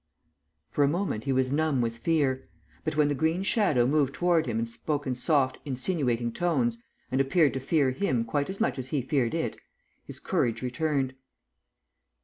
For a moment he was numb with fear, but when the green shadow moved toward him and spoke in soft insinuating tones and appeared to fear him quite as much as he feared it, his courage returned.